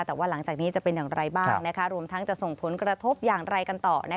แต่ว่าหลังจากนี้จะเป็นอย่างไรบ้างรวมทั้งจะส่งผลกระทบอย่างไรกันต่อ